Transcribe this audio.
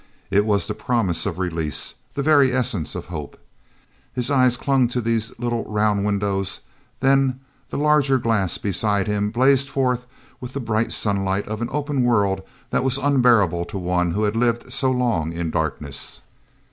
It was the promise of release, the very essence of hope. His eyes clung to these little round windows; then the larger glass beside him blazed forth with the bright sunlight of an open world that was unbearable to one who had lived so long in darkness.